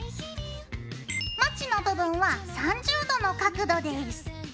まちの部分は３０度の角度です。